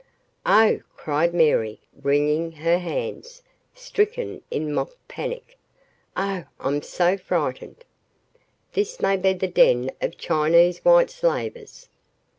"Oh," cried Mary wringing her hands, stricken in mock panic, "oh, I'm so frightened. This may be the den of Chinese white slavers!"